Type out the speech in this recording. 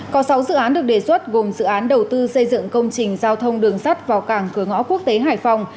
có sáu dự án được đề xuất gồm dự án đầu tư xây dựng công trình giao thông đường sắt vào cảng cửa ngõ quốc tế hải phòng